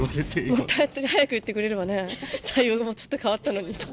もっと早く言ってくれればね対応がもうちょっと変わったのにと。